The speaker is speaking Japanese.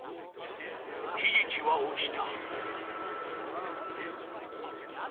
悲劇は起きた］